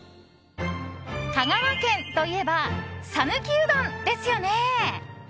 香川県といえば讃岐うどんですよね。